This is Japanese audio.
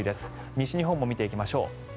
西日本も見ていきましょう。